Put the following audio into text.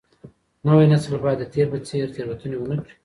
نوی نسل بايد د تېر په څېر تېروتني ونه کړي.